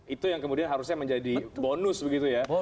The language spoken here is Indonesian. itu yang kemudian harusnya menjadi bonus begitu ya